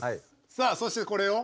さあそしてこれを。